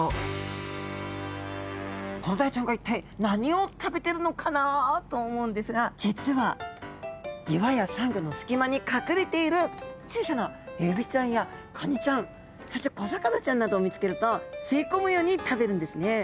コロダイちゃんが一体何を食べてるのかなと思うんですが実は岩やサンゴの隙間に隠れている小さなエビちゃんやカニちゃんそして小魚ちゃんなどを見つけると吸い込むように食べるんですね。